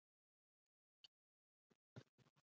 سپوږمۍ ورو ورو پورته کېږي.